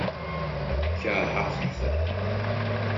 Keṛheɣ-t.